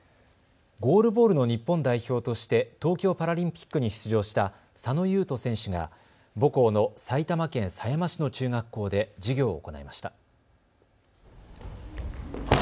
ゴールボールの日本代表として東京パラリンピックに出場した佐野優人選手が母校の埼玉県狭山市の中学校で授業を行いました。